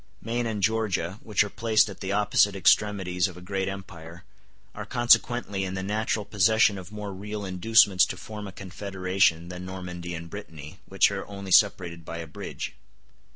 Maine and Georgia, which are placed at the opposite extremities of a great empire, are consequently in the natural possession of more real inducements to form a confederation than Normandy and Brittany, which are only separated by a bridge.